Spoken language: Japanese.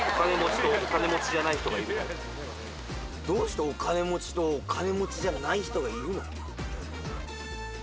「どうしてお金持ちとお金持ちじゃない人がいるの？」